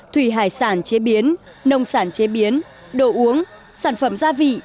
thủy hải sản chế biến nông sản chế biến đồ uống sản phẩm gia vị